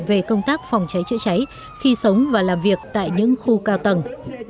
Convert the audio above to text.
về công tác phòng cháy chữa cháy khi sống và làm việc tại những khu cao tầng